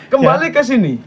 kembali ke sini